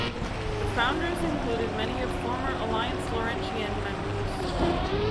The founders included many of former Alliance Laurentienne members.